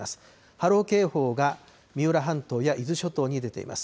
波浪警報が三浦半島や伊豆諸島に出ています。